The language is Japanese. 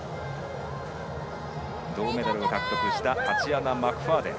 銅メダルを獲得したタチアナ・マクファーデン。